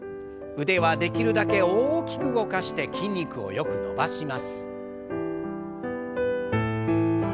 腕はできるだけ大きく動かして筋肉をよく伸ばします。